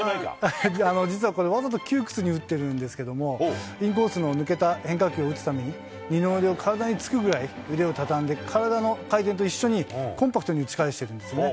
実はこれ、わざと窮屈に打ってるんですけど、インコースの抜けた変化球を打つために、二の腕を体につくぐらい、腕を畳んで、体の回転と一緒にコンパクトに打ち返しているんですよね。